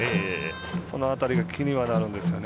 その辺りが気にはなるんですよね。